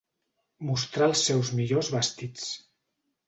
Mostrà els seus millors vestits.